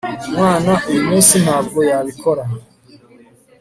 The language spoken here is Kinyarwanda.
umwana uyumunsi ntabwo yabikora